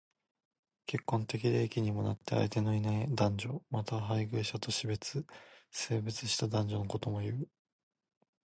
結婚適齢期になっても相手のいない男と女。また、配偶者と死別、生別した男女のことも言う。